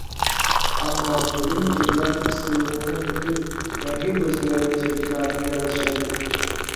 Ammo, bilingki, ular his-tuyg‘uni unutib, yangi ko‘zbo‘yamachiliklarni yaratishadi.